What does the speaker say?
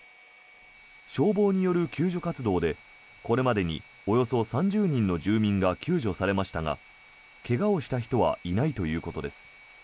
消防による救助活動でこれまでにおよそ３０人の住民が救助されましたが怪我をした人はいないということです。